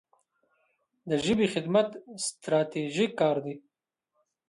د ژبې خدمت ستراتیژیک کار دی.